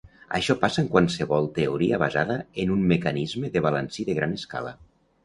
Això passa en qualsevol teoria basada en un mecanisme de balancí de gran escala.